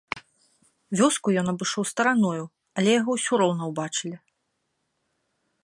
Вёску ён абышоў стараною, але яго ўсё роўна ўбачылі.